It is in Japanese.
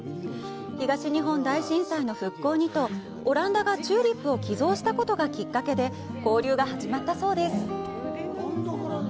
東日本大震災の復興にとオランダがチューリップを寄贈したことがきっかけで交流が始まったそうです。